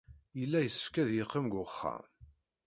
Yella yessefk ad qqimen deg wexxam.